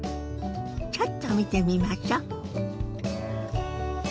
ちょっと見てみましょ。